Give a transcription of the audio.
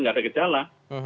nggak ada gejala